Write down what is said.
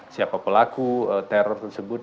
siapa pelaku teror tersebut